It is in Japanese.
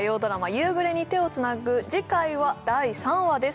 「夕暮れに、手をつなぐ」次回は第３話です